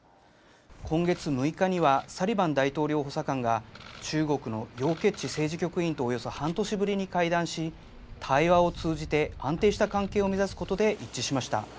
今月６日には、サリバン大統領補佐官が、中国の楊潔チ政治局委員とおよそ半年ぶりに会談し、対話を通じて安定した関係を目指すことで一致しました。